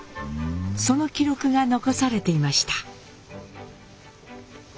その記録が残されていました。